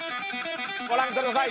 ご覧ください